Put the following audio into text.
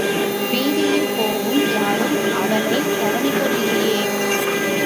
வீதியில் போகும் யாரும் அவளைக் கவனிக்கவேயில்லை.